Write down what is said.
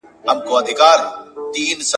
څه به وساتي ځالۍ د توتکیو ..